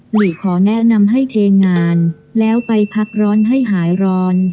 หลีขอแนะนำให้เทงานแล้วไปพักร้อนให้หายร้อน